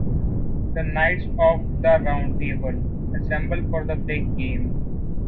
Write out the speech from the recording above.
The Knights of the Round Table assemble for the big game.